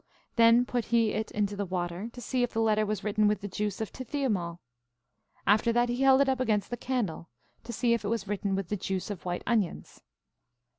Then put he it into the water, to see if the letter was written with the juice of tithymalle. After that he held it up against the candle, to see if it was written with the juice of white onions.